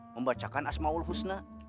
membacakan asma'ul husna